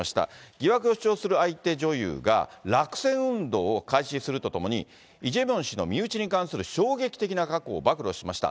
疑惑を主張する相手女優が、落選運動を開始するとともに、イ・ジェミョン氏の身内に関する衝撃的な過去を暴露しました。